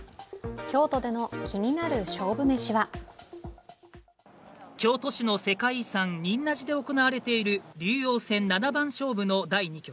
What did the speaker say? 京都での気になる勝負めしは京都市の世界遺産、仁和寺で行われている竜王戦七番勝負の第二局。